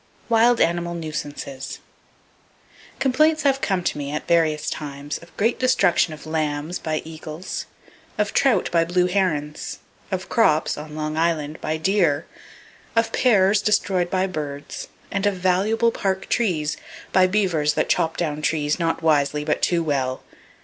Wild Animal Nuisances. —Complaints have come to me, at various times, of great destruction of lambs by eagles; of trout by blue herons; of crops (on Long Island) by deer; of pears destroyed by birds, and of valuable park trees by beavers that chop down trees not wisely but too well.